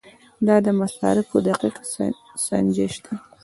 دا د مصارفو دقیق سنجش دی.